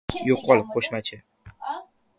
— Yo‘qol, qo‘shmachi!